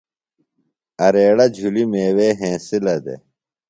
اریڑہ جُھلیۡ میوے ہنسِلہ دےۡ۔